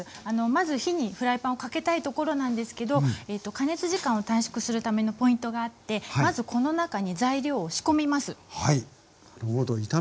まず火にフライパンをかけたいところなんですけど加熱時間を短縮するためのポイントがあってまずこの中に材料を仕込みます。